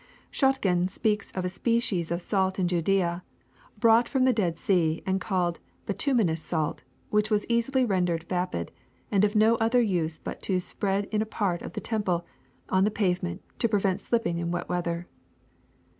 Schottgen speaks of a species of salt in Judaea, brought from the Dead Sea, and called bituminous salt, which was easily rendered vapid, and of no other use but to " spread in a part of the temple, on the pavement, to prevent shpping in wet weather.'